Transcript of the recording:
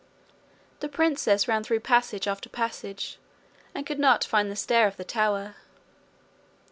The princess ran through passage after passage, and could not find the stair of the tower.